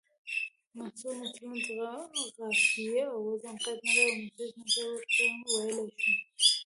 منثور متلونه د قافیې او وزن قید نلري او مسجع نثر ورته ویلی شو